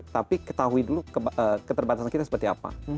tapi ketahui dulu keterbatasan kita seperti apa